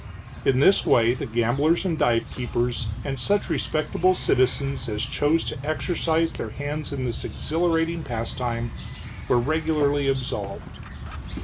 In this way the gamblers and divekeepers, and such respectable citizens as chose to exercise their hands in this exhilarating pastime, were regularly absolved.